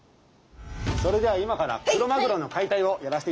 それでは今からクロマグロの解体をやらせていただきます。